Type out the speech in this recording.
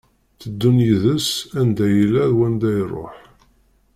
Tteddun d yid-s anda yella d wanda iruḥ.